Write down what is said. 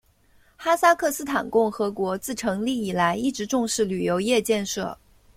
哈萨克斯坦共和国自成立以来一直重视旅游业建设。